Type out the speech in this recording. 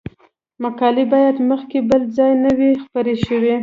مقالې باید مخکې بل ځای نه وي خپرې شوې.